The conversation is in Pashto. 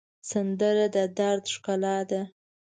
سندره د دَرد ښکلا ده